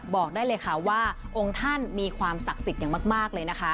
บอกได้เลยค่ะว่าองค์ท่านมีความศักดิ์สิทธิ์อย่างมากเลยนะคะ